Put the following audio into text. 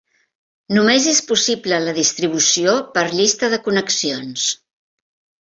Només és possible la distribució per llista de connexions.